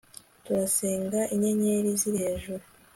turasenga inyenyeri ziri hejuru